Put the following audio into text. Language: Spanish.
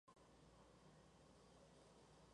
Reconocida como "La Voz del Istmo".